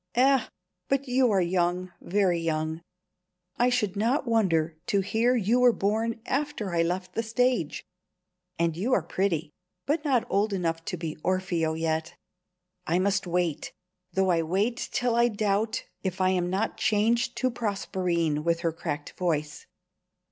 Eh, but you are young, very young. I should not wonder to hear you were born after I left the stage. And you are pretty, but not old enough to be Orfeo yet. I must wait I must wait, though I wait till I doubt if I am not changed to Proserpine with her cracked voice.